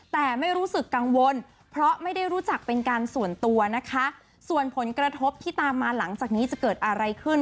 แต่ไม่รู้สึกกังวลเพราะไม่ได้รู้จักเป็นการส่วนตัวนะคะส่วนผลกระทบที่ตามมาหลังจากนี้จะเกิดอะไรขึ้น